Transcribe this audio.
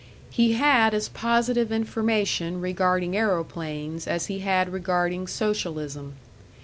He had as positive information regarding aeroplanes as he had regarding socialism.